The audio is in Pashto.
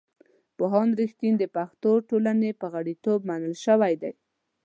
پوهاند رښتین د پښتو ټولنې په غړیتوب منل شوی دی.